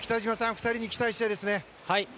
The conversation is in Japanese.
２人に期待したいですね。